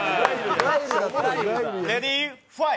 レディー・ファイ！